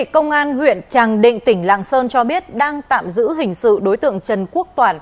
công an huyện tràng định tỉnh làng sơn cho biết đang tạm giữ hình sự đối tượng trần quốc